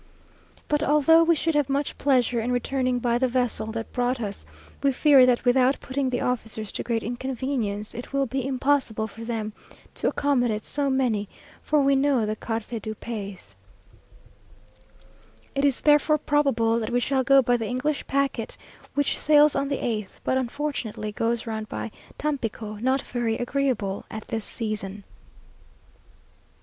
But although we should have much pleasure in returning by the vessel that brought us, we fear that, without putting the officers to great inconvenience, it will be impossible for them to accommodate so many, for we know the carte du pays. It is therefore probable that we shall go by the English packet, which sails on the eighth, but unfortunately goes round by Tampico, not very agreeable at this season.